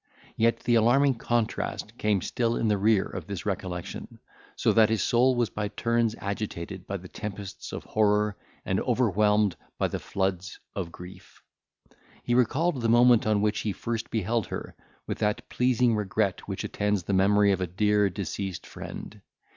Yet the alarming contrast came still in the rear of this recollection; so that his soul was by turns agitated by the tempests of horror, and overwhelmed by the floods of grief. He recalled the moment on which he first beheld her, with that pleasing regret which attends the memory of a dear deceased friend.